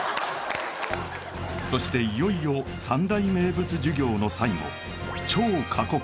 そしていよいよ三大名物授業の最後超過酷！